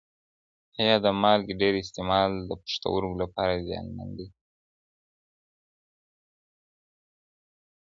ایا د مالګي ډېر استعمال د پښتورګو لپاره زیانمن دی؟